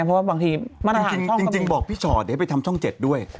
เพราะว่าบางทีมาตรฐานช่องก็มีจริงบอกพี่ชอบเดี๋ยวไปทำช่อง๗ด้วย